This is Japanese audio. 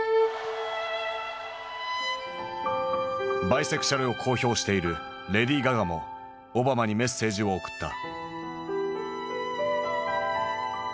バイセクシャルを公表しているレディー・ガガもオバマにメッセージを送った。